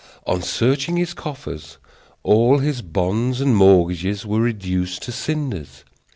On searching his coffers, all his bonds and mortgages were reduced to cinders.